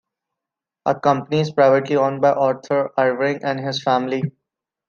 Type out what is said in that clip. The company is privately owned by Arthur Irving and his family.